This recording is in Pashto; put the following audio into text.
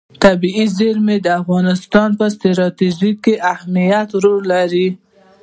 طبیعي زیرمې د افغانستان په ستراتیژیک اهمیت کې رول لري.